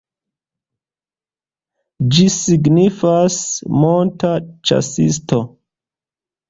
Ĝi signifas "monta ĉasisto".